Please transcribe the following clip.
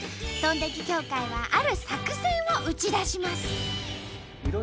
とんてき協会はある作戦を打ち出します。